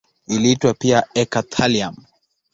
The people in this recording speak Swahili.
Iliitwa pia eka-thallium.